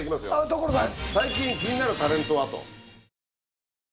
所さん。